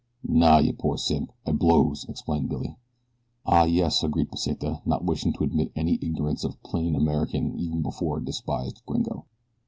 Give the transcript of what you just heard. "Naw, you poor simp I blows," explained Billy. "Ah, yes," agreed Pesita, not wishing to admit any ignorance of plain American even before a despised gringo.